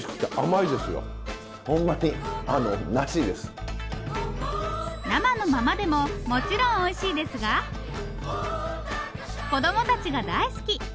ホンマにあの生のままでももちろんおいしいですが子供たちが大好き！